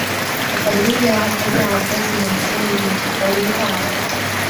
وَقَدْ رُوِيَ عَنْ ابْنِ عَبَّاسٍ وَمُجَاهِدٍ فِي قَوْله تَعَالَى